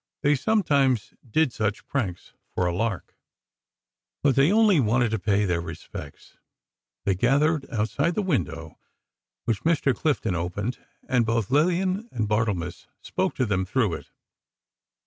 They sometimes did such things, for a lark. But they only wanted to pay their respects. They gathered outside the window, which Mr. Clifton opened, and both Lillian and Barthelmess spoke to them through it.